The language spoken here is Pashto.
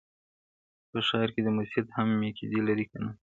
په ښار کي دي مسجد هم میکدې لرې که نه-